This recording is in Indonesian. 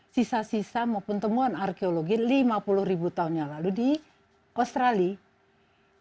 sisa sisa maupun temuan arkeologi lima puluh ribu tahun yang lalu di australia